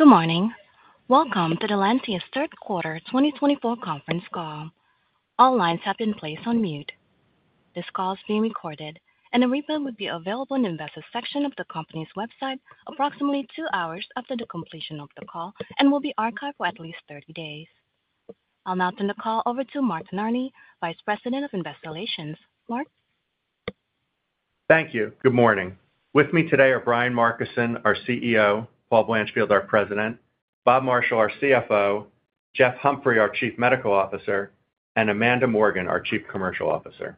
Good morning. Welcome to the Lantheus Third Quarter 2024 conference call. All lines have been placed on mute. This call is being recorded, and the replay will be available in the investor section of the company's website approximately two hours after the completion of the call and will be archived for at least 30 days. I'll now turn the call over to Mark Kinarney, Vice President of Investor Relations. Mark? Thank you. Good morning. With me today are Brian Markison, our CEO; Paul Blanchfield, our President; Bob Marshall, our CFO; Jeff Humphrey, our Chief Medical Officer; and Amanda Morgan, our Chief Commercial Officer.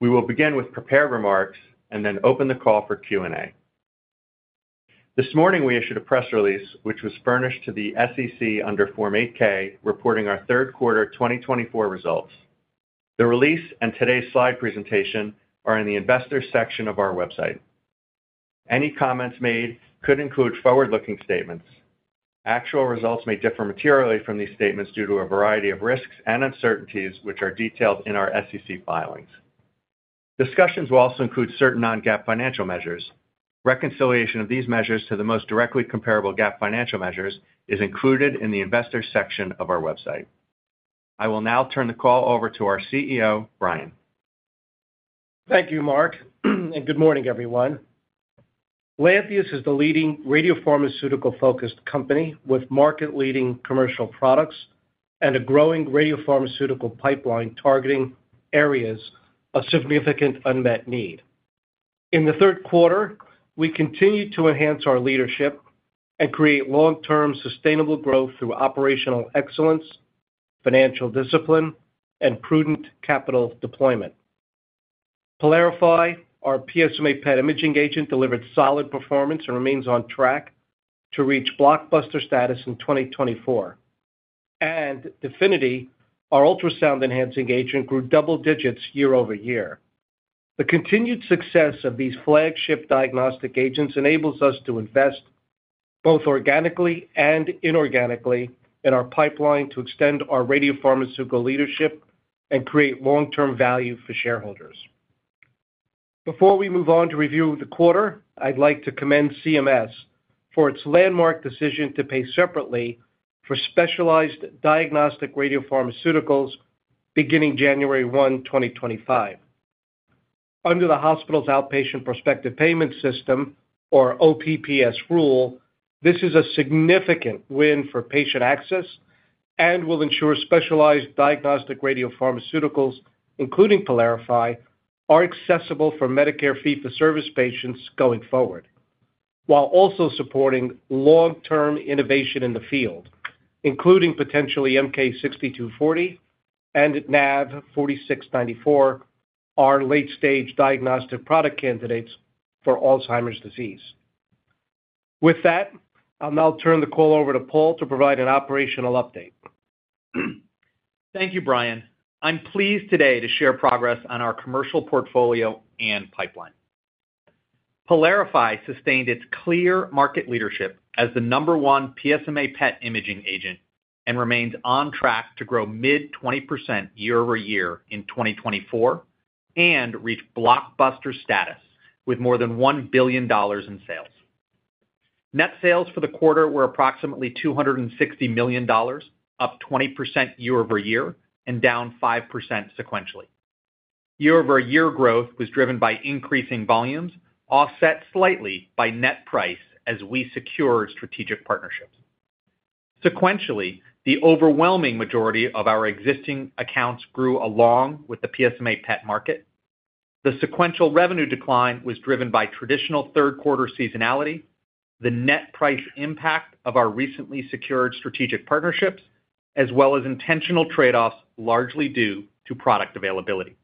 We will begin with prepared remarks and then open the call for Q&A. This morning, we issued a press release which was furnished to the SEC under Form 8-K, reporting our third quarter 2024 results. The release and today's slide presentation are in the investor section of our website. Any comments made could include forward-looking statements. Actual results may differ materially from these statements due to a variety of risks and uncertainties which are detailed in our SEC filings. Discussions will also include certain non-GAAP financial measures. Reconciliation of these measures to the most directly comparable GAAP financial measures is included in the investor section of our website. I will now turn the call over to our CEO, Brian. Thank you, Mark, and good morning, everyone. Lantheus is the leading radiopharmaceutical-focused company with market-leading commercial products and a growing radiopharmaceutical pipeline targeting areas of significant unmet need. In the third quarter, we continue to enhance our leadership and create long-term sustainable growth through operational excellence, financial discipline, and prudent capital deployment. Pylarify, our PSMA PET imaging agent, delivered solid performance and remains on track to reach blockbuster status in 2024. Definity, our ultrasound-enhancing agent, grew double digits year-over-year. The continued success of these flagship diagnostic agents enables us to invest both organically and inorganically in our pipeline to extend our radiopharmaceutical leadership and create long-term value for shareholders. Before we move on to review the quarter, I'd like to commend CMS for its landmark decision to pay separately for specialized diagnostic radiopharmaceuticals beginning January 1, 2025. Under the Hospital Outpatient Prospective Payment System, or OPPS rule, this is a significant win for patient access and will ensure specialized diagnostic radiopharmaceuticals, including Pylarify, are accessible for Medicare Fee-for-Service patients going forward, while also supporting long-term innovation in the field, including potentially MK-6240 and NAV-4694, our late-stage diagnostic product candidates for Alzheimer's disease. With that, I'll now turn the call over to Paul to provide an operational update. Thank you, Brian. I'm pleased today to share progress on our commercial portfolio and pipeline. Pylarify sustained its clear market leadership as the number one PSMA PET imaging agent and remains on track to grow mid-20% year-over-year in 2024 and reach blockbuster status with more than $1 billion in sales. Net sales for the quarter were approximately $260 million, up 20% year-over-year and down 5% sequentially. Year-over-year growth was driven by increasing volumes, offset slightly by net price as we secured strategic partnerships. Sequentially, the overwhelming majority of our existing accounts grew along with the PSMA PET market. The sequential revenue decline was driven by traditional third-quarter seasonality, the net price impact of our recently secured strategic partnerships, as well as intentional trade-offs largely due to product availability.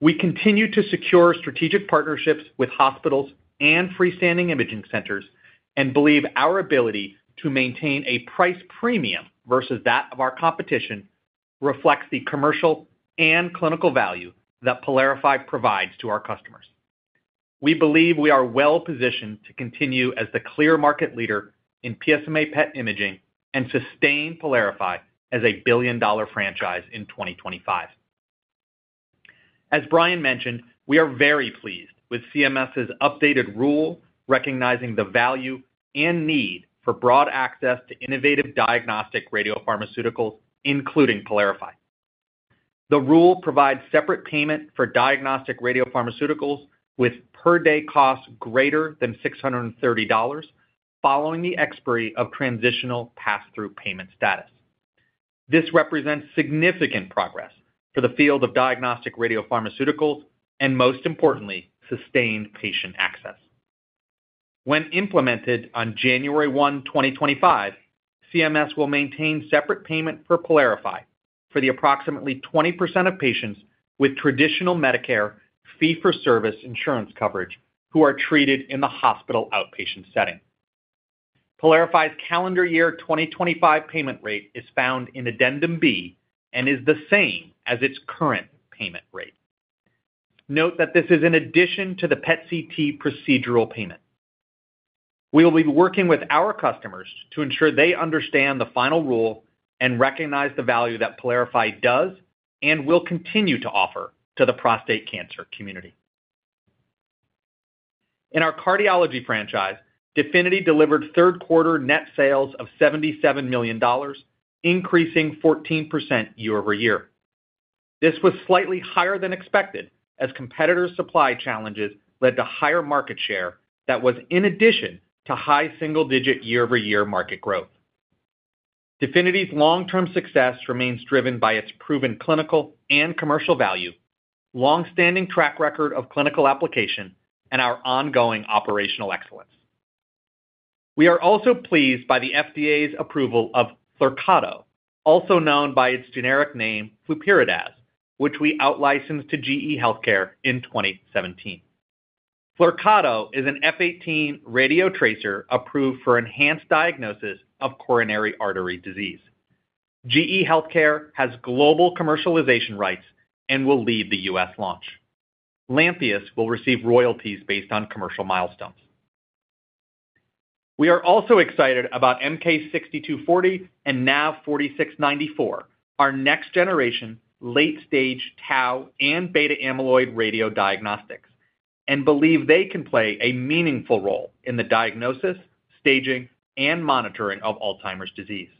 We continue to secure strategic partnerships with hospitals and freestanding imaging centers and believe our ability to maintain a price premium versus that of our competition reflects the commercial and clinical value that Pylarify provides to our customers. We believe we are well-positioned to continue as the clear market leader in PSMA PET imaging and sustain Pylarify as a billion-dollar franchise in 2025. As Brian mentioned, we are very pleased with CMS's updated rule recognizing the value and need for broad access to innovative diagnostic radiopharmaceuticals, including Pylarify. The rule provides separate payment for diagnostic radiopharmaceuticals with per-day costs greater than $630 following the expiry of transitional pass-through payment status. This represents significant progress for the field of diagnostic radiopharmaceuticals and, most importantly, sustained patient access. When implemented on January 1, 2025, CMS will maintain separate payment for Pylarify for the approximately 20% of patients with traditional Medicare Fee-for-Service insurance coverage who are treated in the hospital outpatient setting. Pylarify's calendar year 2025 payment rate is found in Addendum B and is the same as its current payment rate. Note that this is in addition to the PET/CT procedural payment. We will be working with our customers to ensure they understand the final rule and recognize the value that Pylarify does and will continue to offer to the prostate cancer community. In our cardiology franchise, Definity delivered third-quarter net sales of $77 million, increasing 14% year-over-year. This was slightly higher than expected as competitor supply challenges led to higher market share that was in addition to high single-digit year-over-year market growth. DEFINITY®'s long-term success remains driven by its proven clinical and commercial value, long-standing track record of clinical application, and our ongoing operational excellence. We are also pleased by the FDA's approval of Flyrcado, also known by its generic name, Flurpiridaz, which we outlicensed to GE HealthCare in 2017. Flyrcado is an F18 radiotracer approved for enhanced diagnosis of coronary artery disease. GE HealthCare has global commercialization rights and will lead the U.S. launch. Lantheus will receive royalties based on commercial milestones. We are also excited about MK-6240 and NAV-4694, our next-generation late-stage tau and beta-amyloid radio diagnostics, and believe they can play a meaningful role in the diagnosis, staging, and monitoring of Alzheimer's disease.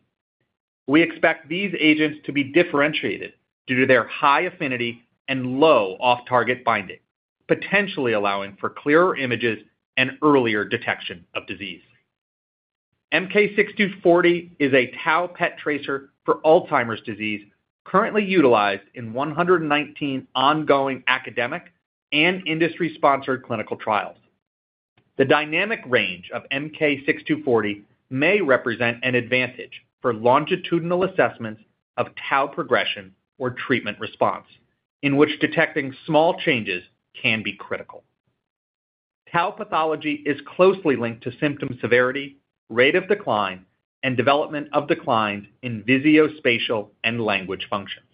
We expect these agents to be differentiated due to their high affinity and low off-target binding, potentially allowing for clearer images and earlier detection of disease. MK-6240 is a tau PET tracer for Alzheimer's disease currently utilized in 119 ongoing academic and industry-sponsored clinical trials. The dynamic range of MK-6240 may represent an advantage for longitudinal assessments of tau progression or treatment response, in which detecting small changes can be critical. Tau pathology is closely linked to symptom severity, rate of decline, and development of declines in visuospatial and language functions.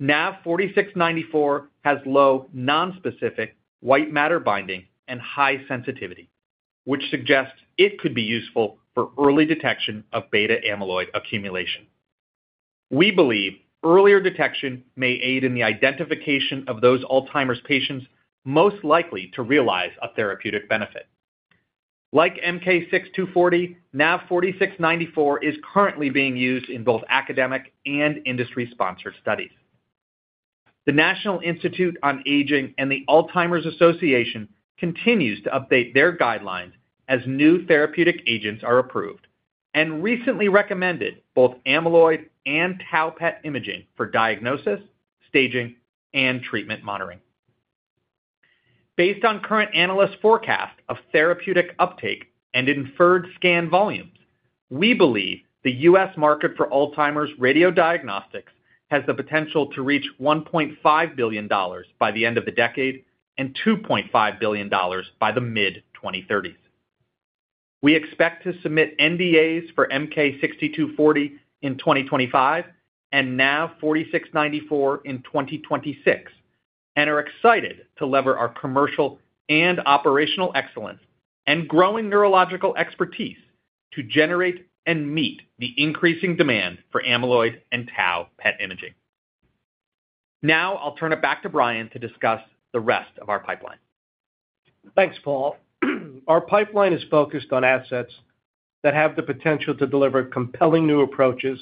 NAV-4694 has low nonspecific white matter binding and high sensitivity, which suggests it could be useful for early detection of beta-amyloid accumulation. We believe earlier detection may aid in the identification of those Alzheimer's patients most likely to realize a therapeutic benefit. Like MK-6240, NAV-4694 is currently being used in both academic and industry-sponsored studies. The National Institute on Aging and the Alzheimer's Association continues to update their guidelines as new therapeutic agents are approved and recently recommended both amyloid and tau PET imaging for diagnosis, staging, and treatment monitoring. Based on current analyst forecasts of therapeutic uptake and inferred scan volumes, we believe the U.S. market for Alzheimer's radiodiagnostics has the potential to reach $1.5 billion by the end of the decade and $2.5 billion by the mid-2030s. We expect to submit NDAs for MK-6240 in 2025 and NAV-4694 in 2026 and are excited to leverage our commercial and operational excellence and growing neurological expertise to generate and meet the increasing demand for amyloid and tau PET imaging. Now I'll turn it back to Brian to discuss the rest of our pipeline. Thanks, Paul. Our pipeline is focused on assets that have the potential to deliver compelling new approaches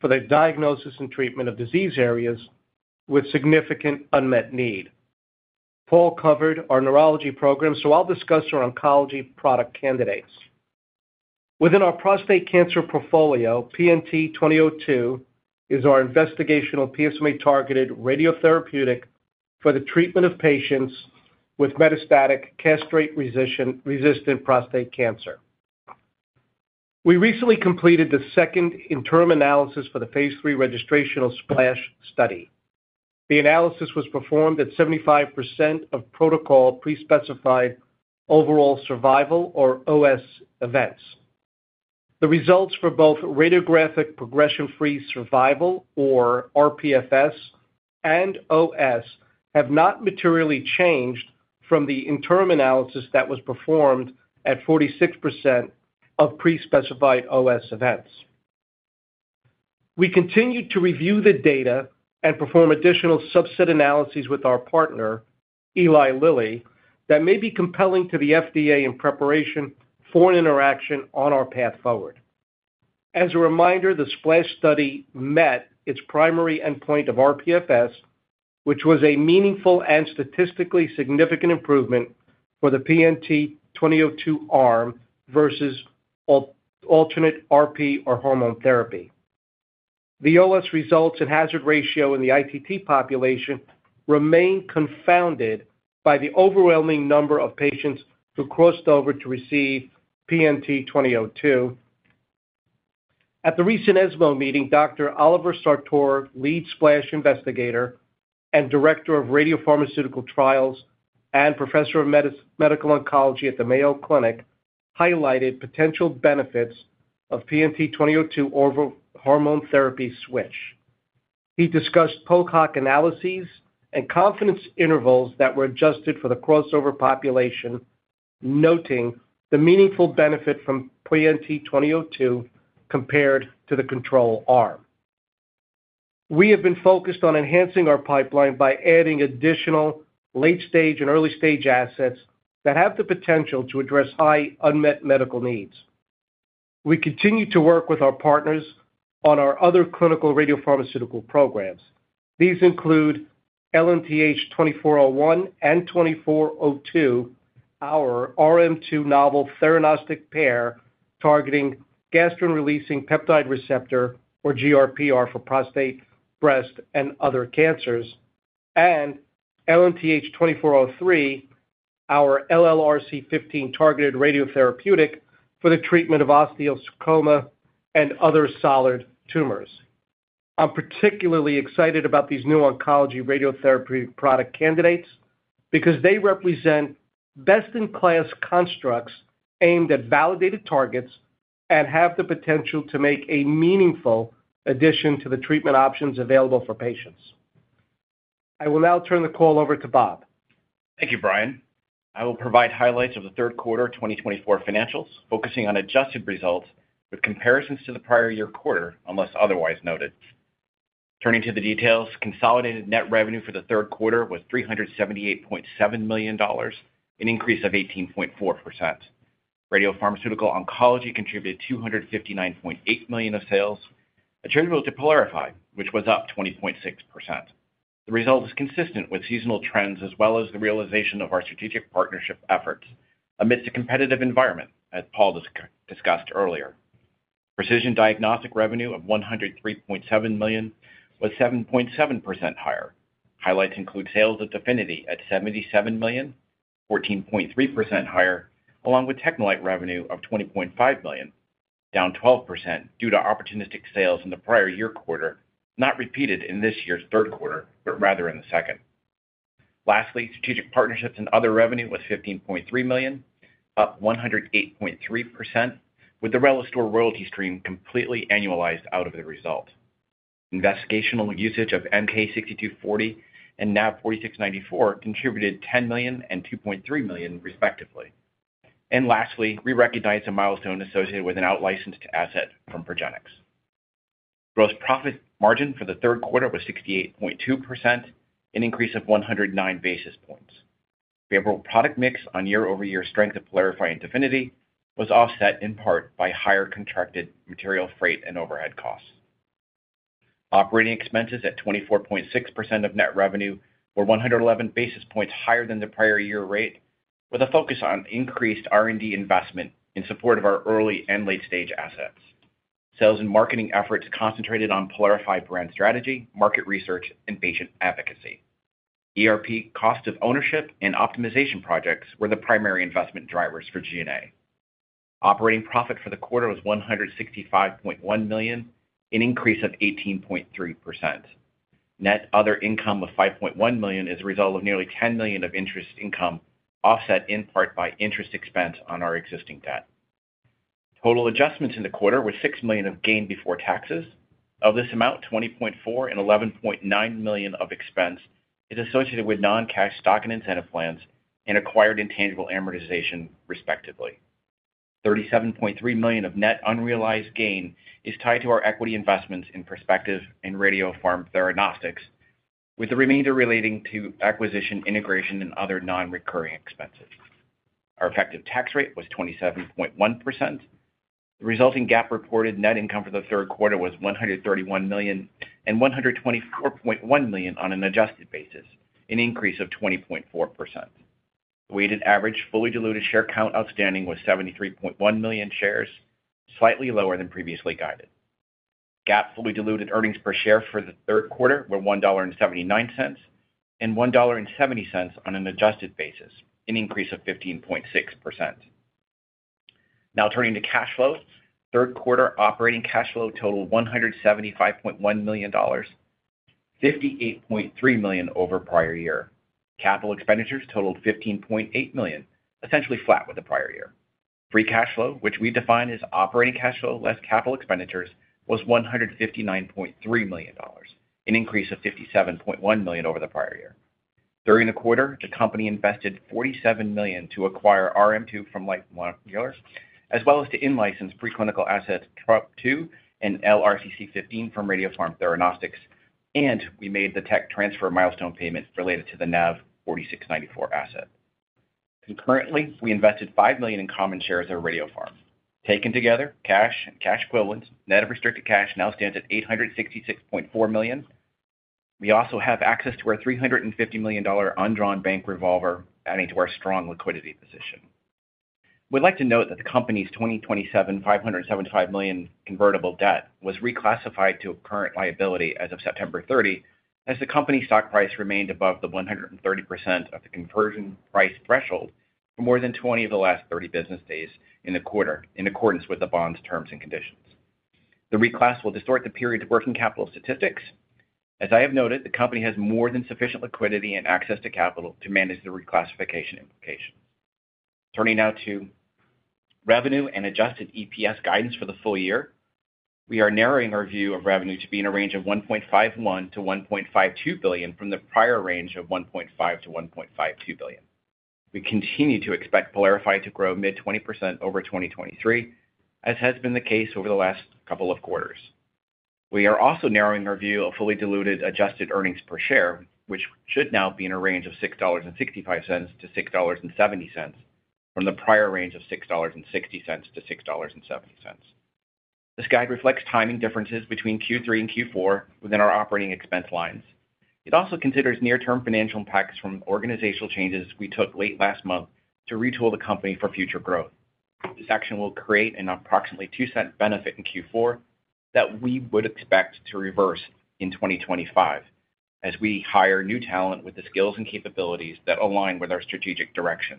for the diagnosis and treatment of disease areas with significant unmet need. Paul covered our neurology program, so I'll discuss our oncology product candidates. Within our prostate cancer portfolio, PNT-2002 is our investigational PSMA-targeted radiotherapeutic for the treatment of patients with metastatic castrate-resistant prostate cancer. We recently completed the second interim analysis for the phase three registration SPLASH study. The analysis was performed at 75% of protocol pre-specified overall survival, or OS, events. The results for both radiographic progression-free survival, or rPFS, and OS have not materially changed from the interim analysis that was performed at 46% of pre-specified OS events. We continue to review the data and perform additional subset analyses with our partner, Eli Lilly, that may be compelling to the FDA in preparation for an interaction on our path forward. As a reminder, the SPLASH study met its primary endpoint of rPFS, which was a meaningful and statistically significant improvement for the PNT2002 arm versus alternate RP or hormone therapy. The OS results and hazard ratio in the ITT population remain confounded by the overwhelming number of patients who crossed over to receive PNT2002. At the recent ESMO meeting, Dr. Oliver Sartor, lead SPLASH investigator and director of radiopharmaceutical trials and professor of medical oncology at the Mayo Clinic, highlighted potential benefits of PNT2002 over hormone therapy switch. He discussed post-hoc analyses and confidence intervals that were adjusted for the crossover population, noting the meaningful benefit from PNT2002 compared to the control arm. We have been focused on enhancing our pipeline by adding additional late-stage and early-stage assets that have the potential to address high unmet medical needs. We continue to work with our partners on our other clinical radiopharmaceutical programs. These include LNTH-2401 and LNTH-2402, our RM2 novel theranostic pair targeting gastrin-releasing peptide receptor, or GRPR, for prostate, breast, and other cancers, and LNTH-2403, our LRRC15-targeted radiotherapeutic for the treatment of osteosarcoma and other solid tumors. I'm particularly excited about these new oncology radiotherapeutic product candidates because they represent best-in-class constructs aimed at validated targets and have the potential to make a meaningful addition to the treatment options available for patients. I will now turn the call over to Bob. Thank you, Brian. I will provide highlights of the third quarter 2024 financials, focusing on adjusted results with comparisons to the prior year quarter, unless otherwise noted. Turning to the details, consolidated net revenue for the third quarter was $378.7 million, an increase of 18.4%. Radiopharmaceutical oncology contributed $259.8 million of sales, attributable to Pylarify, which was up 20.6%. The result is consistent with seasonal trends as well as the realization of our strategic partnership efforts amidst a competitive environment, as Paul discussed earlier. Precision diagnostic revenue of $103.7 million was 7.7% higher. Highlights include sales of Definity at $77 million, 14.3% higher, along with TechneLite revenue of $20.5 million, down 12% due to opportunistic sales in the prior year quarter, not repeated in this year's third quarter, but rather in the second. Lastly, strategic partnerships and other revenue was $15.3 million, up 108.3%, with the Relistor royalty stream completely annualized out of the result. Investigational usage of MK-6240 and NAV-4694 contributed $10 million and $2.3 million, respectively. And lastly, we recognize a milestone associated with an outlicensed asset from Progenics. Gross profit margin for the third quarter was 68.2%, an increase of 109 basis points. Favorable product mix on year-over-year strength of Pylarify and Definity was offset in part by higher contracted material freight and overhead costs. Operating expenses at 24.6% of net revenue were 111 basis points higher than the prior year rate, with a focus on increased R&D investment in support of our early and late-stage assets. Sales and marketing efforts concentrated on Pylarify brand strategy, market research, and patient advocacy. ERP, cost of ownership, and optimization projects were the primary investment drivers for G&A. Operating profit for the quarter was $165.1 million, an increase of 18.3%. Net other income was $5.1 million as a result of nearly $10 million of interest income offset in part by interest expense on our existing debt. Total adjustments in the quarter were $6 million of gain before taxes. Of this amount, $20.4 and $11.9 million of expense is associated with non-cash stock and incentive plans and acquired intangible amortization, respectively. $37.3 million of net unrealized gain is tied to our equity investments in Perspective and Radiopharm Theranostics, with the remainder relating to acquisition, integration, and other non-recurring expenses. Our effective tax rate was 27.1%. The resulting GAAP reported net income for the third quarter was $131 million and $124.1 million on an adjusted basis, an increase of 20.4%. Weighted average fully diluted share count outstanding was 73.1 million shares, slightly lower than previously guided. GAAP fully diluted earnings per share for the third quarter were $1.79 and $1.70 on an adjusted basis, an increase of 15.6%. Now turning to cash flows, third quarter operating cash flow totaled $175.1 million, $58.3 million over prior year. Capital expenditures totaled $15.8 million, essentially flat with the prior year. Free cash flow, which we define as operating cash flow less capital expenditures, was $159.3 million, an increase of $57.1 million over the prior year. During the quarter, the company invested $47 million to acquire RM2 from Life Molecular Imaging, as well as to in-license preclinical assets TROP2 and LRRC15 from Radiopharm Theranostics, and we made the tech transfer milestone payment related to the NAV4694 asset. Concurrently, we invested $5 million in common shares of Radiopharm. Taken together, cash and cash equivalents, net of restricted cash now stands at $866.4 million. We also have access to our $350 million undrawn bank revolver, adding to our strong liquidity position. We'd like to note that the company's 2027 $575 million convertible debt was reclassified to current liability as of September 30, as the company stock price remained above the 130% of the conversion price threshold for more than 20 of the last 30 business days in the quarter, in accordance with the bond's terms and conditions. The reclass will distort the period's working capital statistics. As I have noted, the company has more than sufficient liquidity and access to capital to manage the reclassification implications. Turning now to revenue and adjusted EPS guidance for the full year, we are narrowing our view of revenue to be in a range of $1.51 billion-$1.52 billion from the prior range of $1.5 billion-$1.52 billion. We continue to expect Pylarify to grow mid-20% over 2023, as has been the case over the last couple of quarters. We are also narrowing our view of fully diluted adjusted earnings per share, which should now be in a range of $6.65-$6.70 from the prior range of $6.60-$6.70. This guide reflects timing differences between Q3 and Q4 within our operating expense lines. It also considers near-term financial impacts from organizational changes we took late last month to retool the company for future growth. This action will create an approximately $0.02 benefit in Q4 that we would expect to reverse in 2025 as we hire new talent with the skills and capabilities that align with our strategic direction.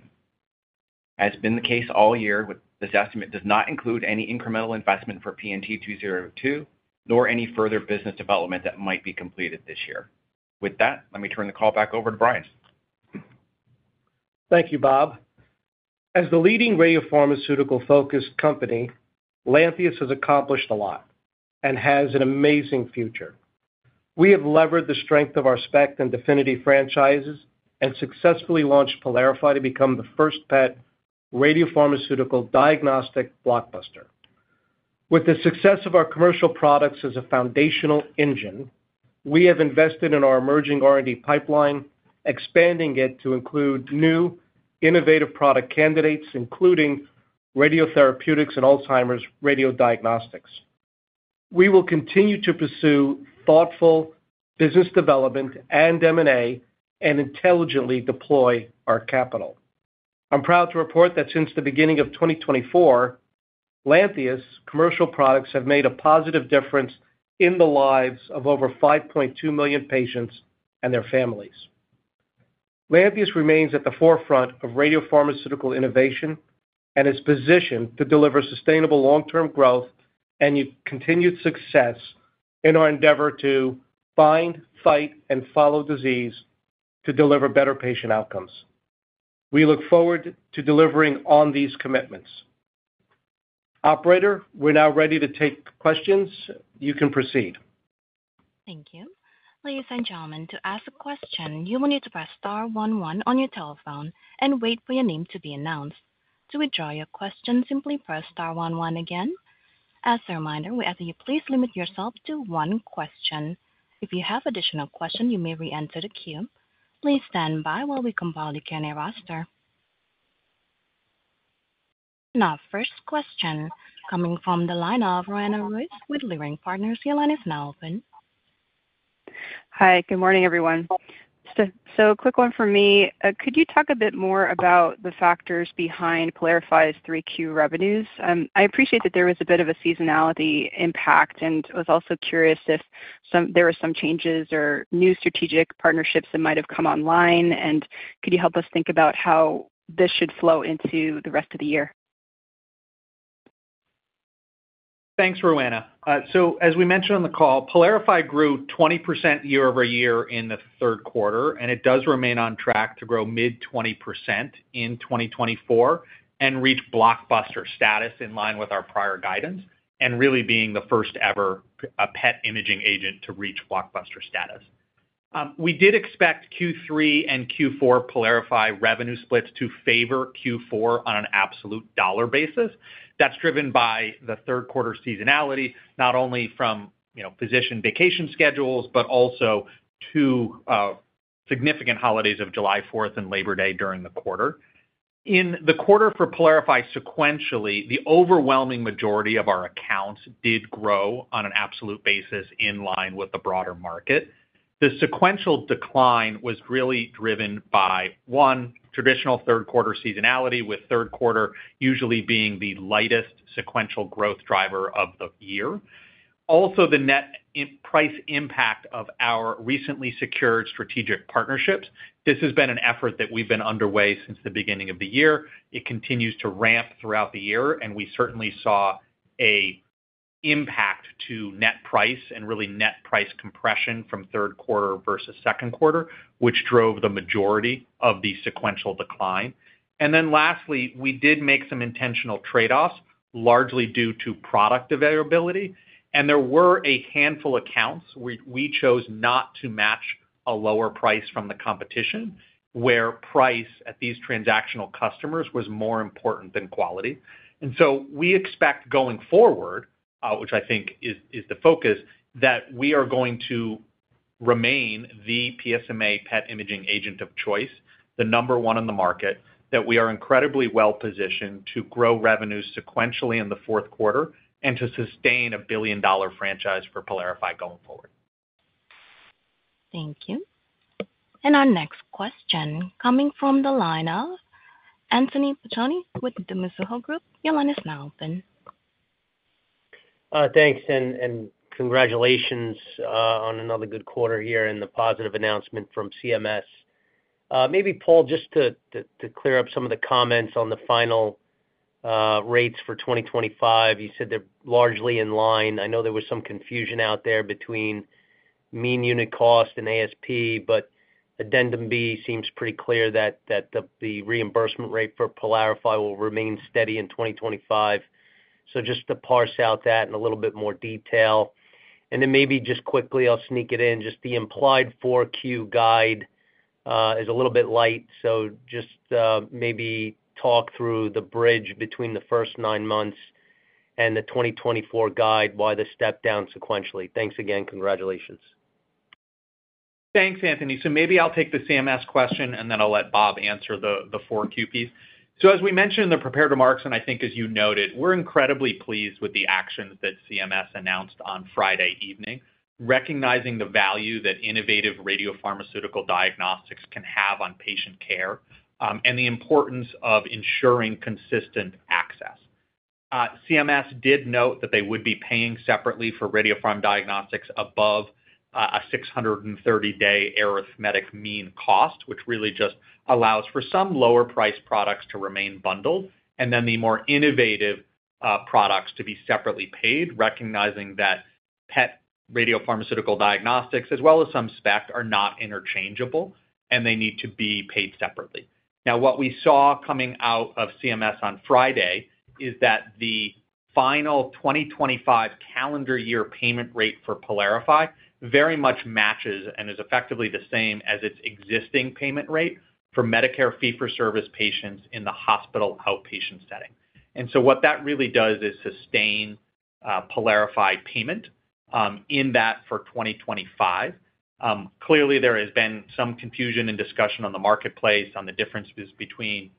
As has been the case all year, this estimate does not include any incremental investment for PNT2002, nor any further business development that might be completed this year. With that, let me turn the call back over to Brian. Thank you, Bob. As the leading radiopharmaceutical-focused company, Lantheus has accomplished a lot and has an amazing future. We have leveraged the strength of our SPECT and DEFINITY franchises and successfully launched PYLARIFY to become the first PET radiopharmaceutical diagnostic blockbuster. With the success of our commercial products as a foundational engine, we have invested in our emerging R&D pipeline, expanding it to include new innovative product candidates, including radiotherapeutics and Alzheimer's radiodiagnostics. We will continue to pursue thoughtful business development and M&A and intelligently deploy our capital. I'm proud to report that since the beginning of 2024, Lantheus' commercial products have made a positive difference in the lives of over 5.2 million patients and their families. Lantheus remains at the forefront of radiopharmaceutical innovation and is positioned to deliver sustainable long-term growth and continued success in our endeavor to find, fight, and follow disease to deliver better patient outcomes. We look forward to delivering on these commitments. Operator, we're now ready to take questions. You can proceed. Thank you. Ladies and gentlemen, to ask a question, you will need to press star one one on your telephone and wait for your name to be announced. To withdraw your question, simply press star 11 again. As a reminder, we ask that you please limit yourself to one question. If you have additional questions, you may re-enter the queue. Please stand by while we compile the Q&A roster. Now, first question coming from the line of Roanna Ruiz with Leerink Partners. Your line is now open. Hi. Good morning, everyone. So a quick one for me. Could you talk a bit more about the factors behind Pylarify's Q3 revenues? I appreciate that there was a bit of a seasonality impact, and I was also curious if there were some changes or new strategic partnerships that might have come online, and could you help us think about how this should flow into the rest of the year? Thanks, Roanna. So as we mentioned on the call, Pylarify grew 20% year -over-year in the third quarter, and it does remain on track to grow mid-20% in 2024 and reach blockbuster status in line with our prior guidance and really being the first-ever PET imaging agent to reach blockbuster status. We did expect Q3 and Q4 Pylarify revenue splits to favor Q4 on an absolute dollar basis. That's driven by the third quarter seasonality, not only from physician vacation schedules, but also two significant holidays of July 4 and Labor Day during the quarter. In the quarter for Pylarify sequentially, the overwhelming majority of our accounts did grow on an absolute basis in line with the broader market. The sequential decline was really driven by, one, traditional third-quarter seasonality, with third quarter usually being the lightest sequential growth driver of the year. Also, the net price impact of our recently secured strategic partnerships. This has been an effort that we've been underway since the beginning of the year. It continues to ramp throughout the year, and we certainly saw an impact to net price and really net price compression from third quarter versus second quarter, which drove the majority of the sequential decline. And then lastly, we did make some intentional trade-offs, largely due to product availability. And there were a handful of accounts we chose not to match a lower price from the competition, where price at these transactional customers was more important than quality. And so we expect going forward, which I think is the focus, that we are going to remain the PSMA PET imaging agent of choice, the number one on the market, that we are incredibly well positioned to grow revenues sequentially in the fourth quarter and to sustain a billion-dollar franchise for Pylarify going forward. Thank you. And our next question coming from the line of Anthony Petrone with Mizuho Group. Your line is now open. Thanks, and congratulations on another good quarter here and the positive announcement from CMS. Maybe, Paul, just to clear up some of the comments on the final rates for 2025, you said they're largely in line. I know there was some confusion out there between mean unit cost and ASP, but Addendum B seems pretty clear that the reimbursement rate for Pylarify will remain steady in 2025. So just to parse out that in a little bit more detail. And then maybe just quickly, I'll sneak it in, just the implied Q4 guide is a little bit light, so just maybe talk through the bridge between the first nine months and the 2024 guide, why the step-down sequentially. Thanks again. Congratulations. Thanks, Anthony. So maybe I'll take the CMS question, and then I'll let Bob answer the Q4 piece. So as we mentioned in the prepared remarks, and I think, as you noted, we're incredibly pleased with the actions that CMS announced on Friday evening, recognizing the value that innovative radiopharmaceutical diagnostics can have on patient care and the importance of ensuring consistent access. CMS did note that they would be paying separately for radiopharm diagnostics above a 630-day arithmetic mean cost, which really just allows for some lower-priced products to remain bundled, and then the more innovative products to be separately paid, recognizing that PET radiopharmaceutical diagnostics, as well as some SPECT, are not interchangeable and they need to be paid separately. Now, what we saw coming out of CMS on Friday is that the final 2025 calendar year payment rate for PYLARIFY very much matches and is effectively the same as its existing payment rate for Medicare fee-for-service patients in the hospital outpatient setting, and so what that really does is sustain PYLARIFY payment in that for 2025. Clearly, there has been some confusion and discussion on the marketplace on the differences between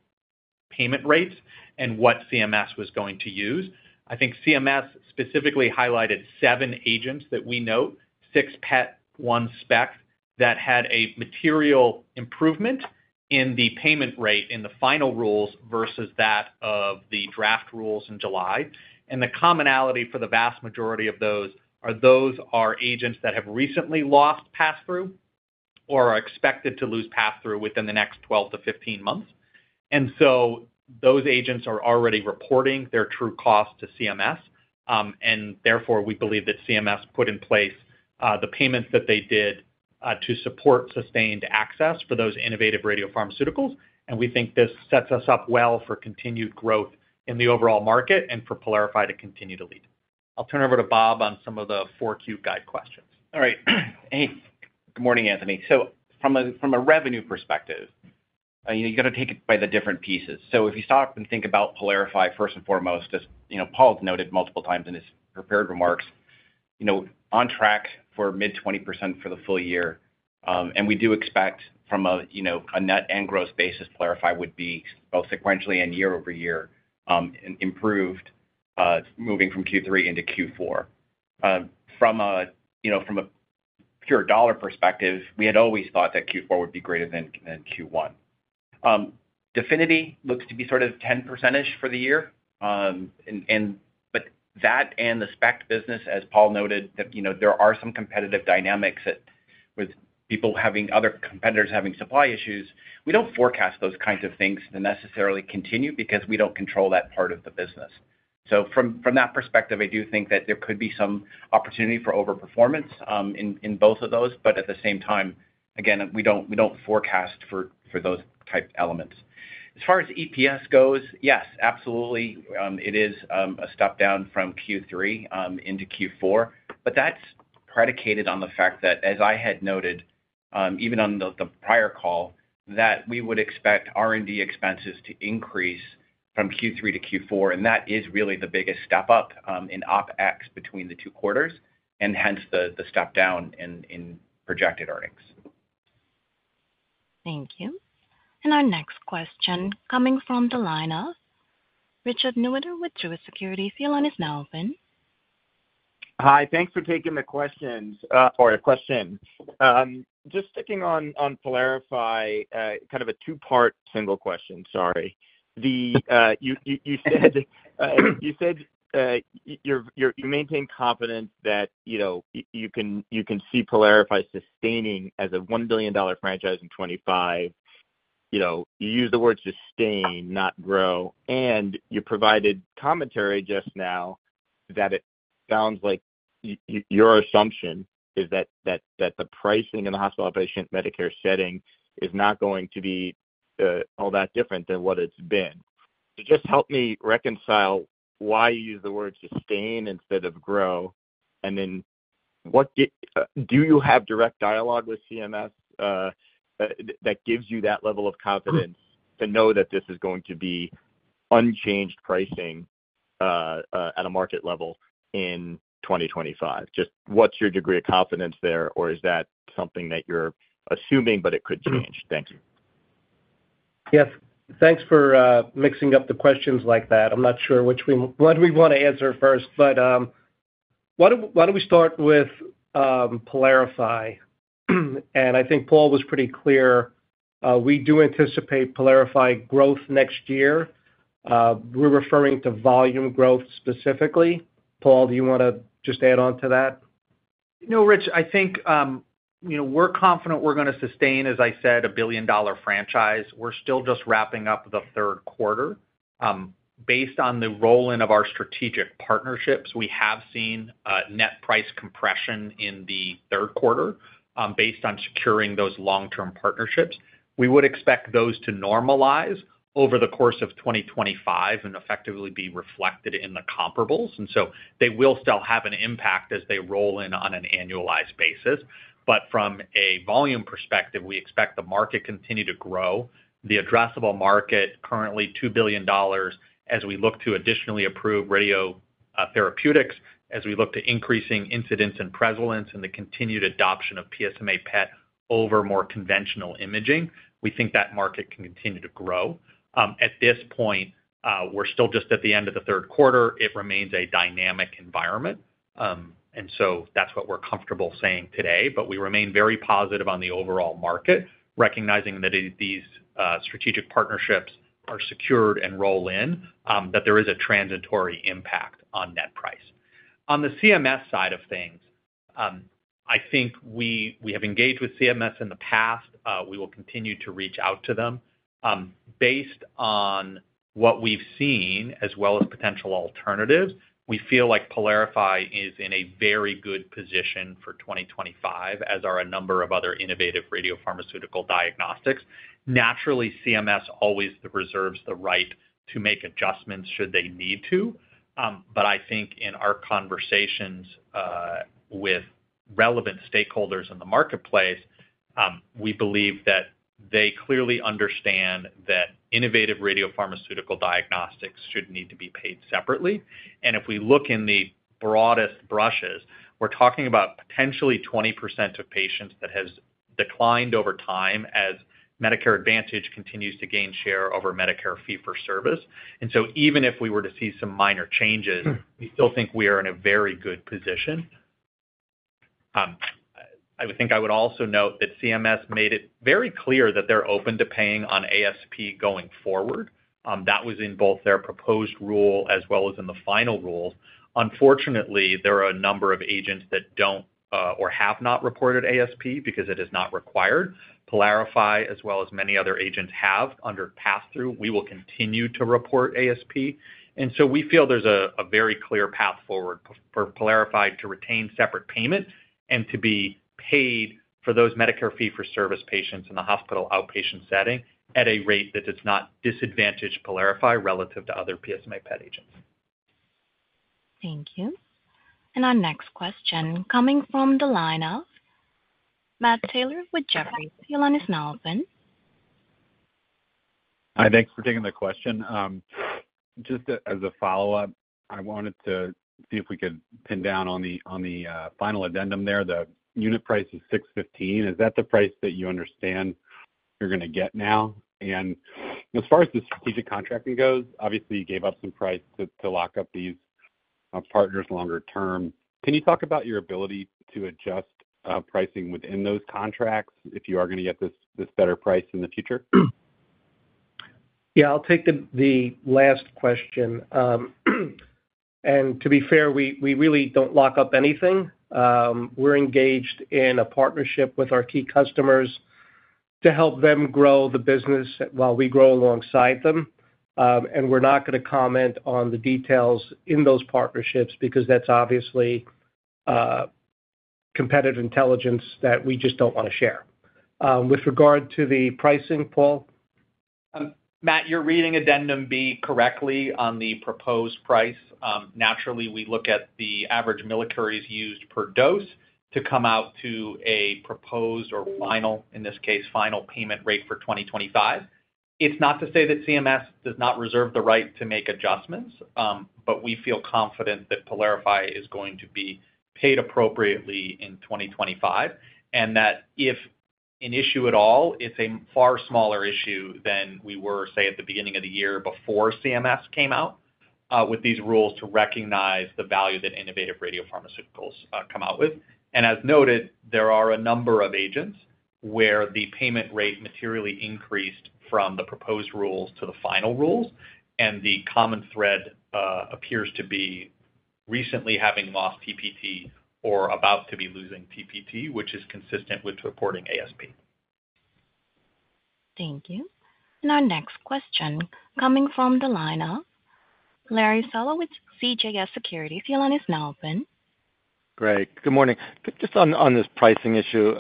payment rates and what CMS was going to use. I think CMS specifically highlighted seven agents that we note, six PET, one SPECT, that had a material improvement in the payment rate in the final rules versus that of the draft rules in July, and the commonality for the vast majority of those are those are agents that have recently lost pass-through or are expected to lose pass-through within the next 12 to 15 months. And so those agents are already reporting their true cost to CMS, and therefore we believe that CMS put in place the payments that they did to support sustained access for those innovative radiopharmaceuticals. And we think this sets us up well for continued growth in the overall market and for Pylarify to continue to lead. I'll turn it over to Bob on some of the FAQ questions. All right. Hey. Good morning, Anthony. So from a revenue perspective, you got to take it by the different pieces. So if you stop and think about Pylarify first and foremost, as Paul's noted multiple times in his prepared remarks, on track for mid-20% for the full year. And we do expect from a net and gross basis, Pylarify would be both sequentially and year-over year improved, moving from Q3 into Q4. From a pure dollar perspective, we had always thought that Q4 would be greater than Q1. Definity looks to be sort of 10%ish for the year. But that and the SPECT business, as Paul noted, that there are some competitive dynamics with other competitors having supply issues. We don't forecast those kinds of things to necessarily continue because we don't control that part of the business. So from that perspective, I do think that there could be some opportunity for overperformance in both of those. But at the same time, again, we don't forecast for those type elements. As far as EPS goes, yes, absolutely, it is a step-down from Q3 into Q4. But that's predicated on the fact that, as I had noted even on the prior call, that we would expect R&D expenses to increase from Q3 to Q4. And that is really the biggest step-up in OpEx between the two quarters, and hence the step-down in projected earnings. Thank you. And our next question coming from the line of Richard Newitter with Truist Securities. Your line is now open. Hi. Thanks for taking the questions or question. Just sticking on Pylarify, kind of a two-part single question, sorry. You said you maintain confidence that you can see Pylarify sustaining as a $1 billion franchise in 2025. You used the word sustain, not grow. And you provided commentary just now that it sounds like your assumption is that the pricing in the hospital outpatient Medicare setting is not going to be all that different than what it's been. So just help me reconcile why you use the word sustain instead of grow. And then do you have direct dialogue with CMS that gives you that level of confidence to know that this is going to be unchanged pricing at a market level in 2025? Just what's your degree of confidence there, or is that something that you're assuming, but it could change? Thanks. Yes. Thanks for mixing up the questions like that. I'm not sure what we want to answer first, but why don't we start with Pylarify, and I think Paul was pretty clear. We do anticipate Pylarify growth next year. We're referring to volume growth specifically. Paul, do you want to just add on to that? No, Rich. I think we're confident we're going to sustain, as I said, a billion-dollar franchise. We're still just wrapping up the third quarter. Based on the rolling of our strategic partnerships, we have seen net price compression in the third quarter based on securing those long-term partnerships. We would expect those to normalize over the course of 2025 and effectively be reflected in the comparables. And so they will still have an impact as they roll in on an annualized basis. But from a volume perspective, we expect the market to continue to grow. The addressable market currently $2 billion as we look to additionally approve radiotherapeutics, as we look to increasing incidence and prevalence, and the continued adoption of PSMA PET over more conventional imaging. We think that market can continue to grow. At this point, we're still just at the end of the third quarter. It remains a dynamic environment. And so that's what we're comfortable saying today. But we remain very positive on the overall market, recognizing that these strategic partnerships are secured and roll in, that there is a transitory impact on net price. On the CMS side of things, I think we have engaged with CMS in the past. We will continue to reach out to them. Based on what we've seen, as well as potential alternatives, we feel like Pylarify is in a very good position for 2025, as are a number of other innovative radiopharmaceutical diagnostics. Naturally, CMS always reserves the right to make adjustments should they need to. But I think in our conversations with relevant stakeholders in the marketplace, we believe that they clearly understand that innovative radiopharmaceutical diagnostics should need to be paid separately. And if we look in the broadest brushes, we're talking about potentially 20% of patients that have declined over time as Medicare Advantage continues to gain share over Medicare Fee-for-Service. And so even if we were to see some minor changes, we still think we are in a very good position. I think I would also note that CMS made it very clear that they're open to paying on ASP going forward. That was in both their proposed rule as well as in the final rules. Unfortunately, there are a number of agents that don't or have not reported ASP because it is not required. Pylarify, as well as many other agents have under pass-through, we will continue to report ASP. We feel there's a very clear path forward for Pylarify to retain separate payment and to be paid for those Medicare Fee-for-Service patients in the hospital outpatient setting at a rate that does not disadvantage Pylarify relative to other PSMA PET agents. Thank you. And our next question coming from the line of Matt Taylor with Jefferies. Your line is now open. Hi. Thanks for taking the question. Just as a follow-up, I wanted to see if we could pin down on the final addendum there. The unit price is $615. Is that the price that you understand you're going to get now? And as far as the strategic contracting goes, obviously, you gave up some price to lock up these partners longer term. Can you talk about your ability to adjust pricing within those contracts if you are going to get this better price in the future? Yeah. I'll take the last question. And to be fair, we really don't lock up anything. We're engaged in a partnership with our key customers to help them grow the business while we grow alongside them. And we're not going to comment on the details in those partnerships because that's obviously competitive intelligence that we just don't want to share. With regard to the pricing, Paul? Matt, you're reading Addendum B correctly on the proposed price. Naturally, we look at the average millicuries used per dose to come out to a proposed or final, in this case, final payment rate for 2025. It's not to say that CMS does not reserve the right to make adjustments, but we feel confident that Pylarify is going to be paid appropriately in 2025, and that if an issue at all, it's a far smaller issue than we were, say, at the beginning of the year before CMS came out with these rules to recognize the value that innovative radiopharmaceuticals come out with, and as noted, there are a number of agents where the payment rate materially increased from the proposed rules to the final rules, and the common thread appears to be recently having lost PT or about to be losing PT, which is consistent with supporting ASP. Thank you. And our next question coming from the line of Larry Solow with CJS Securities. Your line is now open. Great. Good morning. Just on this pricing issue,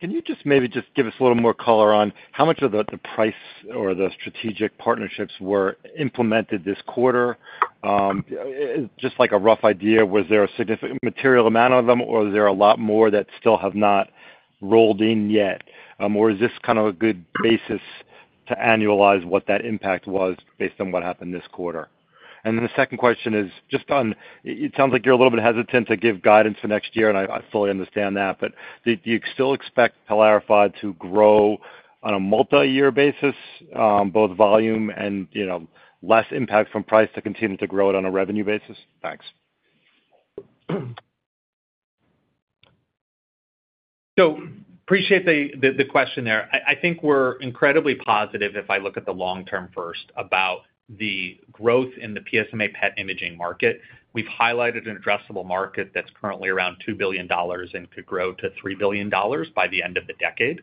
can you just maybe just give us a little more color on how much of the price or the strategic partnerships were implemented this quarter? Just like a rough idea, was there a significant material amount of them, or was there a lot more that still have not rolled in yet? Or is this kind of a good basis to annualize what that impact was based on what happened this quarter? And then the second question is just on it sounds like you're a little bit hesitant to give guidance for next year, and I fully understand that. But do you still expect Pylarify to grow on a multi-year basis, both volume and less impact from price to continue to grow it on a revenue basis? Thanks. So, appreciate the question there. I think we're incredibly positive if I look at the long term first about the growth in the PSMA PET imaging market. We've highlighted an addressable market that's currently around $2 billion and could grow to $3 billion by the end of the decade,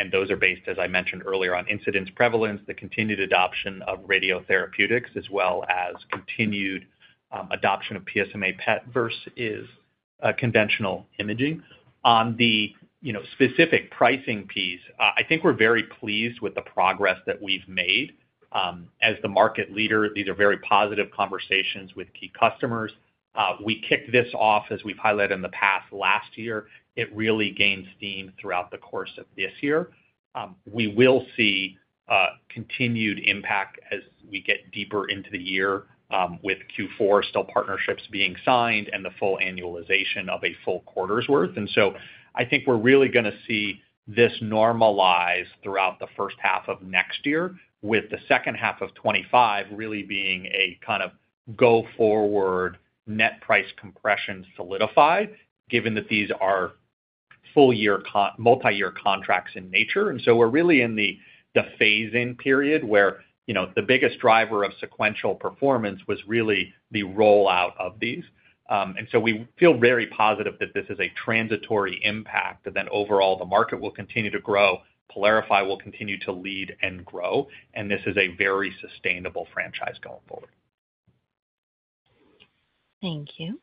and those are based, as I mentioned earlier, on incidence prevalence, the continued adoption of radiotherapeutics, as well as continued adoption of PSMA PET versus conventional imaging. On the specific pricing piece, I think we're very pleased with the progress that we've made as the market leader. These are very positive conversations with key customers. We kicked this off, as we've highlighted in the past, last year. It really gained steam throughout the course of this year. We will see continued impact as we get deeper into the year with Q4, still partnerships being signed and the full annualization of a full quarter's worth. And so I think we're really going to see this normalize throughout the first half of next year, with the second half of 2025 really being a kind of go-forward net price compression solidified, given that these are full-year, multi-year contracts in nature. And so we're really in the phasing period where the biggest driver of sequential performance was really the rollout of these. And so we feel very positive that this is a transitory impact, that overall the market will continue to grow, Pylarify will continue to lead and grow, and this is a very sustainable franchise going forward. Thank you.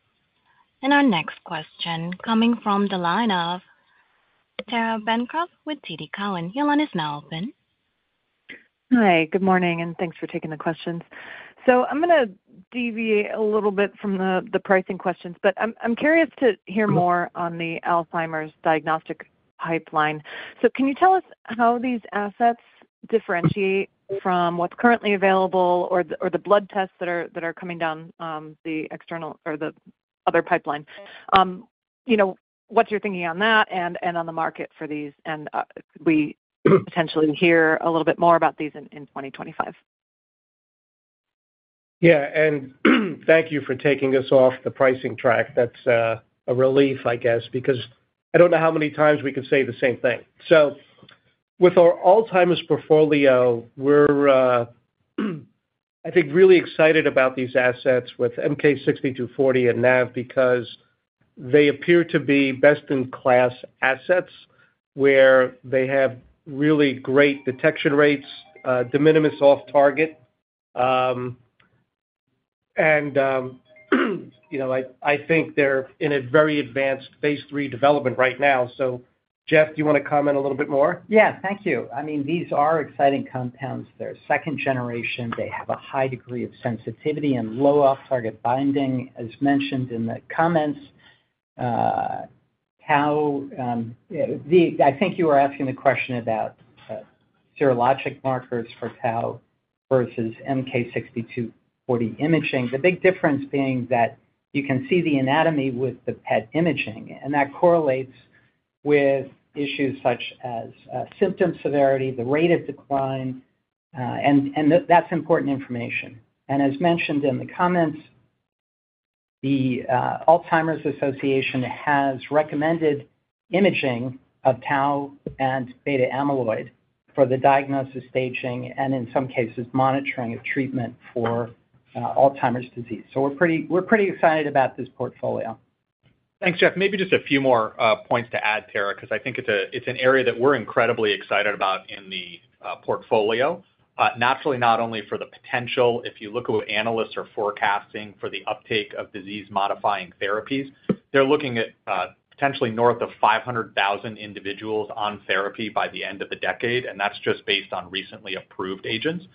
And our next question coming from the line of Tara Bancroft with TD Cowen. Your line is now open. Hi. Good morning, and thanks for taking the questions. So I'm going to deviate a little bit from the pricing questions, but I'm curious to hear more on the Alzheimer's diagnostic pipeline. So can you tell us how these assets differentiate from what's currently available or the blood tests that are coming down the external or the other pipeline? What's your thinking on that and on the market for these? And we potentially hear a little bit more about these in 2025. Yeah. And thank you for taking us off the pricing track. That's a relief, I guess, because I don't know how many times we could say the same thing. So with our Alzheimer's portfolio, we're, I think, really excited about these assets with MK-6240 and NAV because they appear to be best-in-class assets where they have really great detection rates, de minimis off-target. And I think they're in a very advanced phase three development right now. So Jeff, do you want to comment a little bit more? Yeah. Thank you. I mean, these are exciting compounds. They're second generation. They have a high degree of sensitivity and low off-target binding, as mentioned in the comments. I think you were asking the question about serologic markers for Tau versus MK-6240 imaging, the big difference being that you can see the anatomy with the PET imaging, and that correlates with issues such as symptom severity, the rate of decline. And that's important information. And as mentioned in the comments, the Alzheimer's Association has recommended imaging of Tau and beta-amyloid for the diagnosis, staging, and in some cases, monitoring of treatment for Alzheimer's disease. So we're pretty excited about this portfolio. Thanks, Jeff. Maybe just a few more points to add, Tara, because I think it's an area that we're incredibly excited about in the portfolio. Naturally, not only for the potential, if you look at what analysts are forecasting for the uptake of disease-modifying therapies, they're looking at potentially north of 500,000 individuals on therapy by the end of the decade. And that's just based on recently approved agents.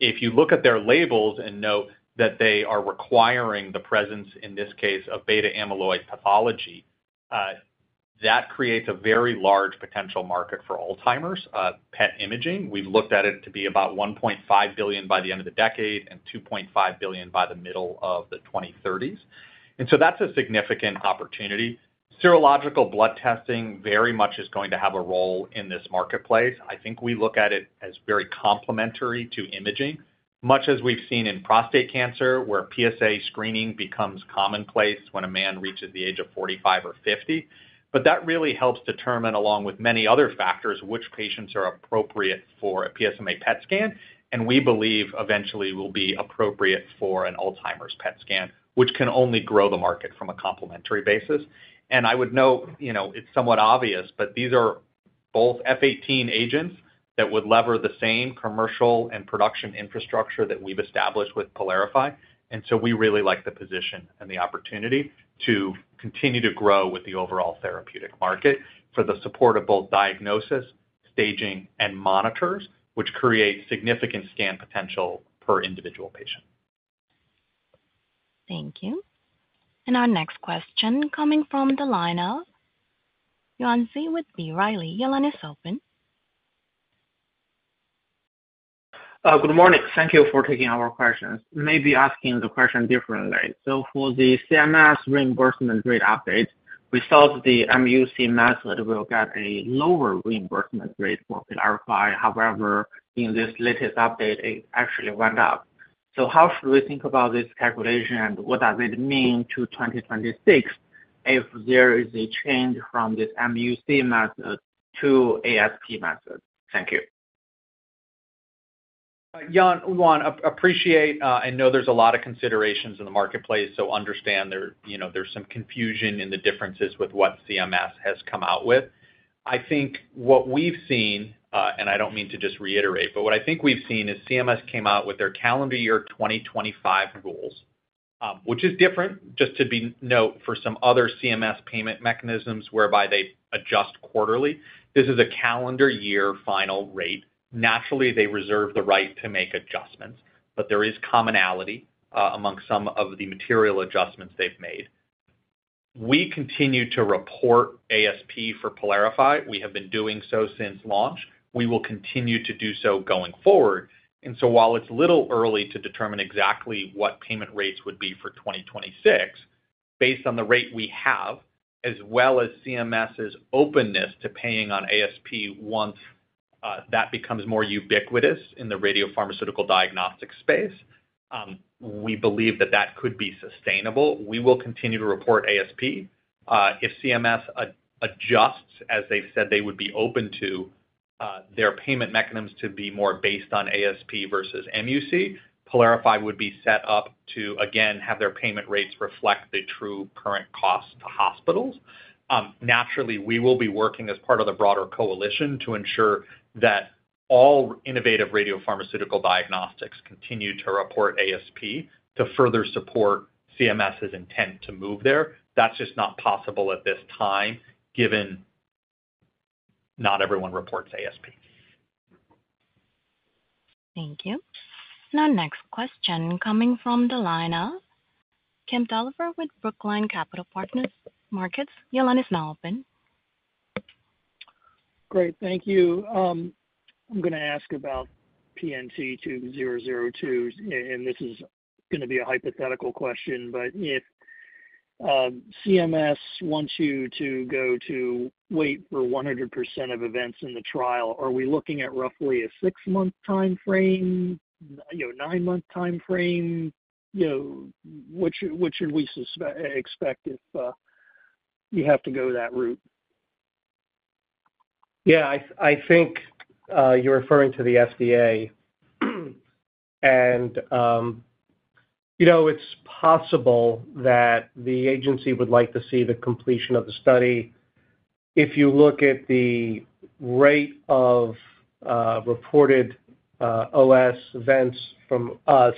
If you look at their labels and note that they are requiring the presence, in this case, of beta-amyloid pathology, that creates a very large potential market for Alzheimer's PET imaging. We've looked at it to be about $1.5 billion by the end of the decade and $2.5 billion by the middle of the 2030s. And so that's a significant opportunity. Serological blood testing very much is going to have a role in this marketplace. I think we look at it as very complementary to imaging, much as we've seen in prostate cancer, where PSA screening becomes commonplace when a man reaches the age of 45 or 50, but that really helps determine, along with many other factors, which patients are appropriate for a PSMA PET scan. We believe eventually it will be appropriate for an Alzheimer's PET scan, which can only grow the market from a complementary basis. I would note it's somewhat obvious, but these are both F18 agents that would lever the same commercial and production infrastructure that we've established with Pylarify. We really like the position and the opportunity to continue to grow with the overall therapeutic market for the support of both diagnosis, staging, and monitors, which create significant scan potential per individual patient. Thank you. And our next question coming from the line of Yuan Zhi with B. Riley Securities. Your line is open. Good morning. Thank you for taking our questions. Maybe asking the question differently. So for the CMS reimbursement rate update, we thought the MUC method will get a lower reimbursement rate for Pylarify. However, in this latest update, it actually went up. So how should we think about this calculation and what does it mean to 2026 if there is a change from this MUC method to ASP method? Thank you. Yuan, I appreciate and know there's a lot of considerations in the marketplace. So understand there's some confusion in the differences with what CMS has come out with. I think what we've seen, and I don't mean to just reiterate, but what I think we've seen is CMS came out with their calendar year 2025 rules, which is different just to note for some other CMS payment mechanisms whereby they adjust quarterly. This is a calendar year final rate. Naturally, they reserve the right to make adjustments, but there is commonality among some of the material adjustments they've made. We continue to report ASP for Pylarify. We have been doing so since launch. We will continue to do so going forward. And so while it's a little early to determine exactly what payment rates would be for 2026, based on the rate we have, as well as CMS's openness to paying on ASP once that becomes more ubiquitous in the radiopharmaceutical diagnostic space, we believe that that could be sustainable. We will continue to report ASP. If CMS adjusts, as they've said they would be open to their payment mechanisms to be more based on ASP versus MUC, Pylarify would be set up to, again, have their payment rates reflect the true current cost to hospitals. Naturally, we will be working as part of the broader coalition to ensure that all innovative radiopharmaceutical diagnostics continue to report ASP to further support CMS's intent to move there. That's just not possible at this time, given not everyone reports ASP. Thank you, and our next question coming from the line of Kemp Dolliver with Brookline Capital Markets. Your line is now open. Great. Thank you. I'm going to ask about PNT2002. And this is going to be a hypothetical question, but if CMS wants you to go to wait for 100% of events in the trial, are we looking at roughly a six-month timeframe, nine-month timeframe? What should we expect if you have to go that route? Yeah. I think you're referring to the FDA, and it's possible that the agency would like to see the completion of the study. If you look at the rate of reported OS events from us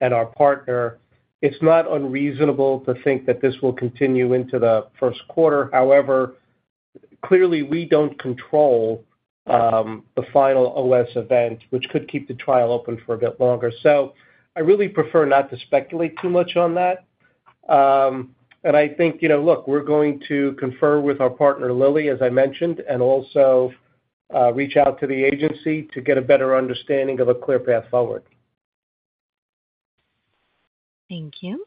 and our partner, it's not unreasonable to think that this will continue into the first quarter. However, clearly, we don't control the final OS event, which could keep the trial open for a bit longer, so I really prefer not to speculate too much on that, and I think, look, we're going to confer with our partner, Lilly, as I mentioned, and also reach out to the agency to get a better understanding of a clear path forward. Thank you.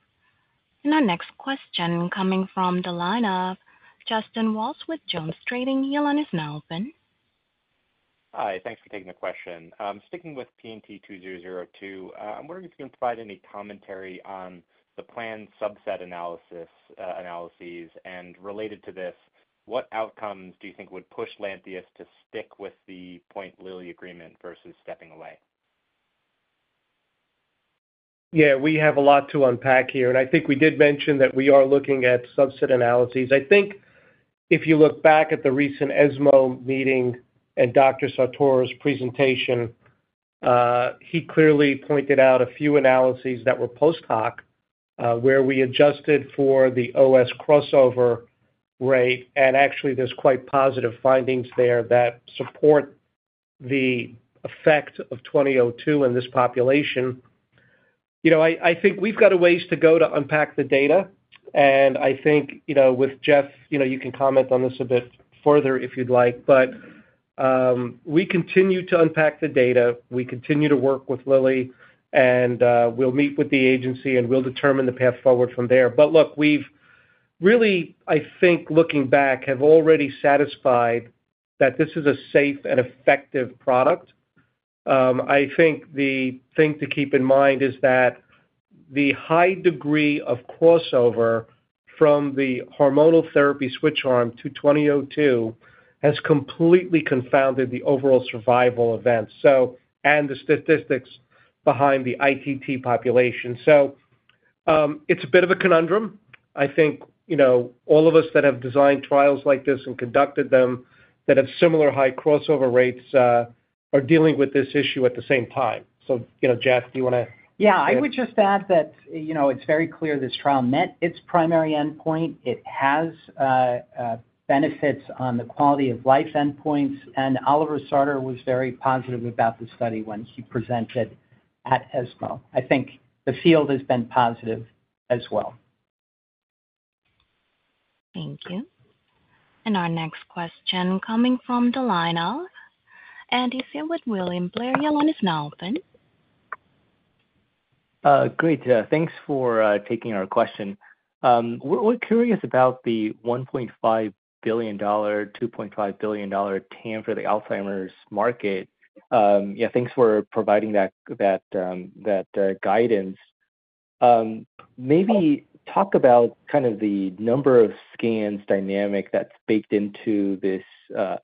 And our next question coming from the line of Justin Walsh with JonesTrading. Your line is now open. Hi. Thanks for taking the question. I'm sticking with PNT2002. I'm wondering if you can provide any commentary on the planned subset analyses. And related to this, what outcomes do you think would push Lantheus to stick with the Eli Lilly agreement versus stepping away? Yeah. We have a lot to unpack here, and I think we did mention that we are looking at subset analyses. I think if you look back at the recent ESMO meeting and Dr. Sartor's presentation, he clearly pointed out a few analyses that were post-hoc where we adjusted for the OS crossover rate, and actually, there's quite positive findings there that support the effect of 2002 in this population. I think we've got a ways to go to unpack the data, and I think with Jeff, you can comment on this a bit further if you'd like, but we continue to unpack the data. We continue to work with Lilly, and we'll meet with the agency, and we'll determine the path forward from there, but look, we've really, I think, looking back, have already satisfied that this is a safe and effective product. I think the thing to keep in mind is that the high degree of crossover from the hormonal therapy switch arm to 2002 has completely confounded the overall survival events and the statistics behind the ITT population. So it's a bit of a conundrum. I think all of us that have designed trials like this and conducted them that have similar high crossover rates are dealing with this issue at the same time. So Jeff, do you want to? Yeah. I would just add that it's very clear this trial met its primary endpoint. It has benefits on the quality of life endpoints, and Oliver Sartor was very positive about the study when he presented at ESMO. I think the field has been positive as well. Thank you. And our next question coming from the line of Andy Hsieh with William Blair. Your line is now open. Great. Thanks for taking our question. We're curious about the $1.5billion-$2.5 billion TAM for the Alzheimer's market. Yeah. Thanks for providing that guidance. Maybe talk about kind of the number of scans dynamic that's baked into this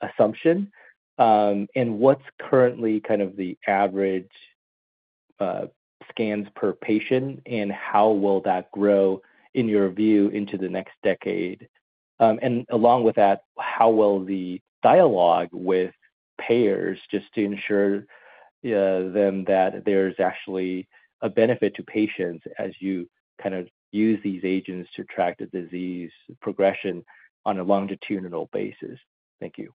assumption and what's currently kind of the average scans per patient and how will that grow, in your view, into the next decade? And along with that, how will the dialogue with payers just to ensure them that there's actually a benefit to patients as you kind of use these agents to track the disease progression on a longitudinal basis? Thank you.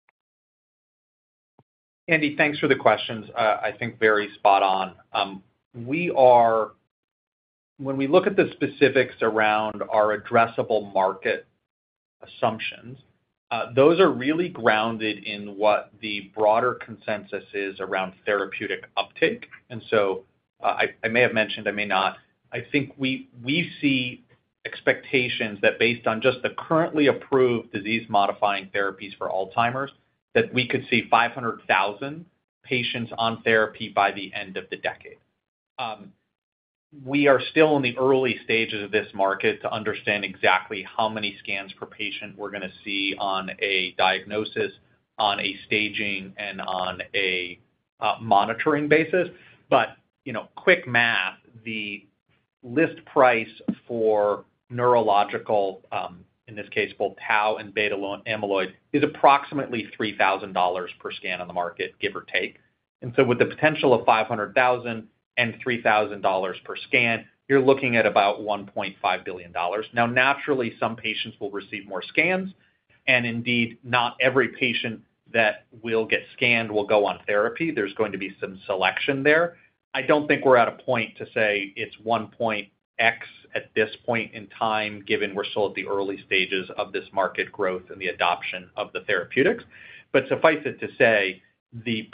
Andy, thanks for the questions. I think very spot on. When we look at the specifics around our addressable market assumptions, those are really grounded in what the broader consensus is around therapeutic uptake. And so I may have mentioned, I may not. I think we see expectations that based on just the currently approved disease-modifying therapies for Alzheimer's, that we could see 500,000 patients on therapy by the end of the decade. We are still in the early stages of this market to understand exactly how many scans per patient we're going to see on a diagnosis, on a staging, and on a monitoring basis. But quick math, the list price for neurological, in this case, both Tau and beta-amyloid, is approximately $3,000 per scan on the market, give or take. And so with the potential of 500,000 and $3,000 per scan, you're looking at about $1.5 billion. Now, naturally, some patients will receive more scans. And indeed, not every patient that will get scanned will go on therapy. There's going to be some selection there. I don't think we're at a point to say it's 1.X at this point in time, given we're still at the early stages of this market growth and the adoption of the therapeutics. But suffice it to say, the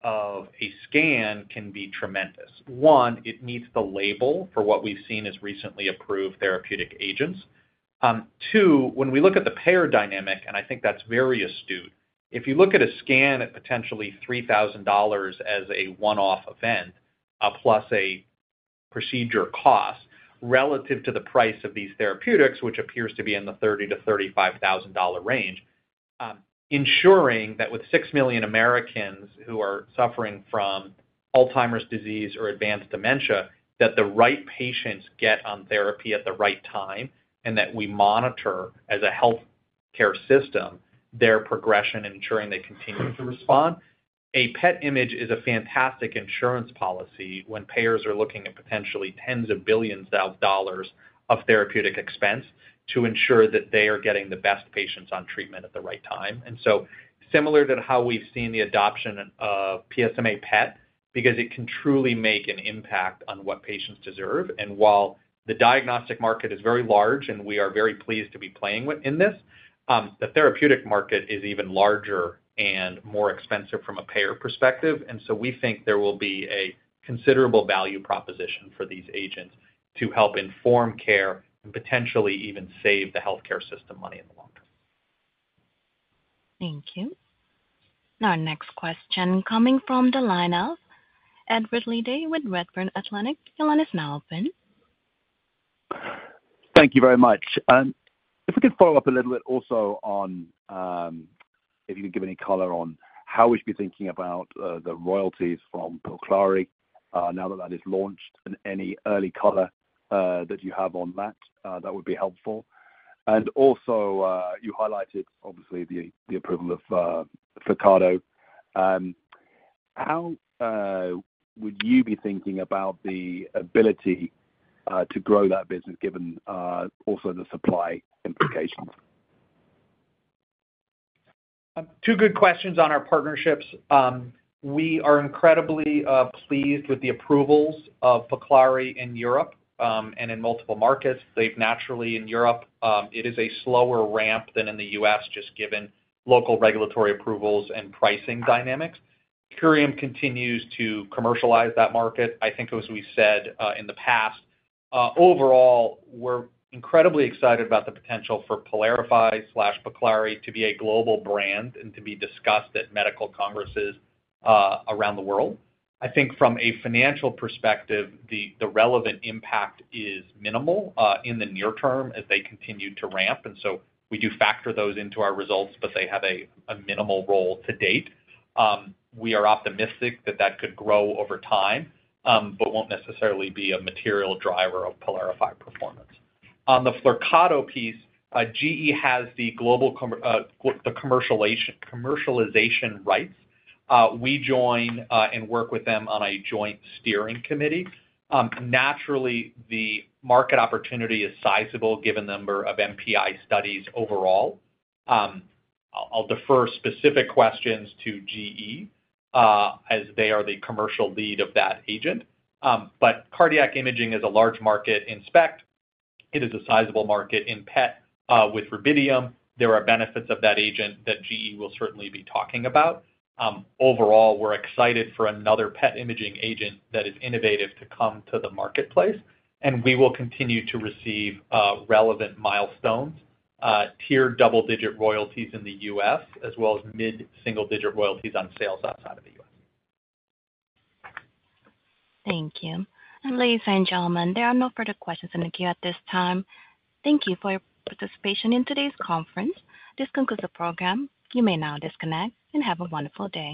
benefits of a scan can be tremendous. One, it meets the label for what we've seen as recently approved therapeutic agents. Two, when we look at the payer dynamic, and I think that's very astute, if you look at a scan at potentially $3,000 as a one-off event plus a procedure cost relative to the price of these therapeutics, which appears to be in the $30,000-$35,000 range, ensuring that with six million Americans who are suffering from Alzheimer's disease or advanced dementia, that the right patients get on therapy at the right time and that we monitor as a healthcare system their progression, ensuring they continue to respond. A PET image is a fantastic insurance policy when payers are looking at potentially tens of billions of dollars of therapeutic expense to ensure that they are getting the best patients on treatment at the right time, and so similar to how we've seen the adoption of PSMA PET, because it can truly make an impact on what patients deserve. And while the diagnostic market is very large and we are very pleased to be playing in this, the therapeutic market is even larger and more expensive from a payer perspective. And so we think there will be a considerable value proposition for these agents to help inform care and potentially even save the healthcare system money in the long term. Thank you. And our next question coming from the line of Ed Ridley-Day with Redburn Atlantic. Your line is now open. Thank you very much. If we could follow up a little bit also on if you can give any color on how we should be thinking about the royalties from Pylclari now that that is launched and any early color that you have on that, that would be helpful. And also, you highlighted, obviously, the approval of Flyrcado. How would you be thinking about the ability to grow that business given also the supply implications? Two good questions on our partnerships. We are incredibly pleased with the approvals of Pylclari in Europe and in multiple markets. They've naturally in Europe, it is a slower ramp than in the US just given local regulatory approvals and pricing dynamics. Curium continues to commercialize that market. I think, as we said in the past, overall, we're incredibly excited about the potential for Pylarify/Pylclari to be a global brand and to be discussed at medical congresses around the world. I think from a financial perspective, the relevant impact is minimal in the near term as they continue to ramp, and so we do factor those into our results, but they have a minimal role to date. We are optimistic that that could grow over time but won't necessarily be a material driver of Pylarify performance. On the Flyrcado piece, GE has the commercialization rights. We join and work with them on a joint steering committee. Naturally, the market opportunity is sizable given the number of MPI studies overall. I'll defer specific questions to GE as they are the commercial lead of that agent. But cardiac imaging is a large market in SPECT. It is a sizable market in PET with rubidium. There are benefits of that agent that GE will certainly be talking about. Overall, we're excited for another PET imaging agent that is innovative to come to the marketplace. And we will continue to receive relevant milestones, tiered double-digit royalties in the U.S., as well as mid-single-digit royalties on sales outside of the U.S. Thank you. And ladies and gentlemen, there are no further questions in the queue at this time. Thank you for your participation in today's conference. This concludes the program. You may now disconnect and have a wonderful day.